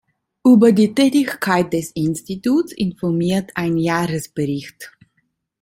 Über die Tätigkeit des Instituts informiert ein "Jahresbericht".